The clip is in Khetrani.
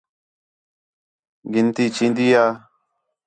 گِنتی چین٘دی ہا؟